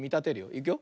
いくよ。